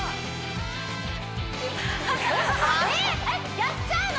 やっちゃうの？